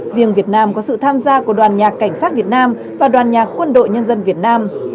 riêng việt nam có sự tham gia của đoàn nhạc cảnh sát việt nam và đoàn nhạc quân đội nhân dân việt nam